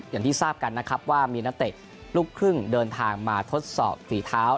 อย่างที่ทราบกันนะครับว่ามีนักเตะลูกครึ่งเดินทางมาทดสอบฝีเท้า